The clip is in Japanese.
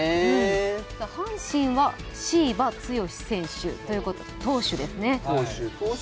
阪神は椎葉剛投手ということですね。